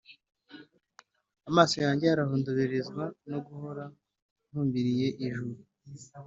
amaso yanjye arahondoberezwa no guhora ntumbiriye ijuru.